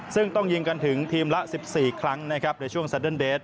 ซึ่งต้องยิงกันถึงทีมละ๑๔ครั้งในช่วงเสด็นเดท